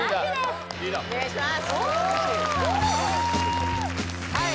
お願いします